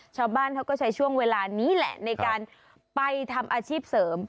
ชาวบ้านเขาก็ใช้ช่วงเวลานี้แหละในการไปทำอาชีพเสริม